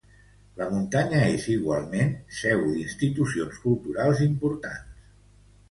La muntanya és igualment seu d'institucions culturals importants.